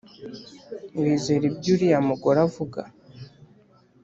wizera ibyo uriya mugore avuga